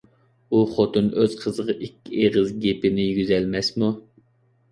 ئۇ خوتۇن ئۆز قىزىغا ئىككى ئېغىز گېپىنى يېگۈزەلمەسمۇ؟